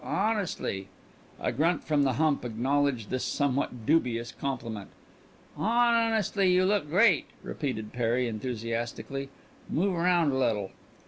Honestly!" A grunt from the hump acknowledged this somewhat dubious compliment. "Honestly, you look great!" repeated Perry enthusiastically. "Move round a little."